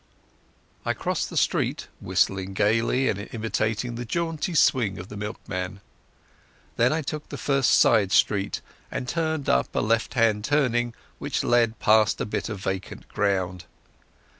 I crossed the street, whistling gaily and imitating the jaunty swing of the milkman. Then I took the first side street, and went up a left hand turning which led past a bit of vacant ground.